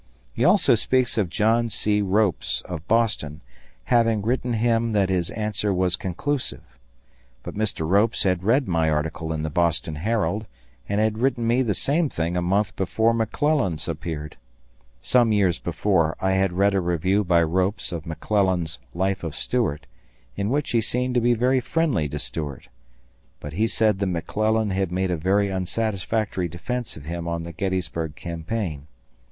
He also speaks of John C. Ropes, of Boston, having written him that his answer was conclusive. But Mr. Ropes had read my article in the Boston Herald and had written me the same thing a month before McClellan's appeared. Some years before I had read a review by Ropes of McClellan's "Life of Stuart", in which he seemed to be very friendly to Stuart, but he said that McClellan had made a very unsatisfactory defense of him on the Gettysburg campaign.